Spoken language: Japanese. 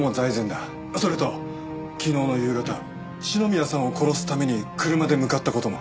それと昨日の夕方篠宮さんを殺すために車で向かった事も。